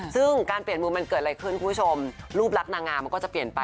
ซึ่งการเปลี่ยนมือมันเกิดอะไรขึ้นคุณผู้ชมรูปรักนางงามมันก็จะเปลี่ยนไป